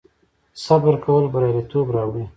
صبر کول بریالیتوب راوړي